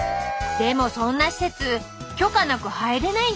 でもそんな施設許可なく入れないんじゃないですか？